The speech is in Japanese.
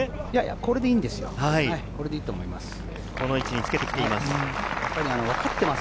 これでいいと思います。